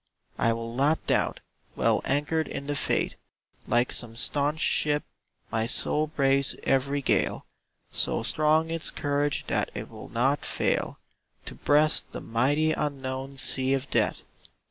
I will not doubt; well anchored in the faith, Like some staunch ship, my soul braves every gale, So strong its courage that it will not fail To breast the mighty unknown sea of Death.